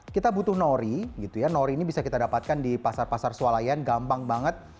kita butuh nori nori ini bisa kita dapatkan di pasar pasar swalayan gampang banget